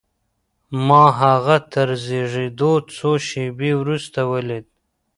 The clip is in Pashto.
ما هغه تر زېږېدو څو شېبې وروسته وليد.